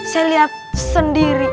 saya lihat sendiri